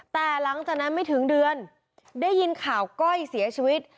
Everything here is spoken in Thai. แต่หลังจากนั้นไม่ถึงเดือนได้ยินข่าวก้อยเสียชีวิต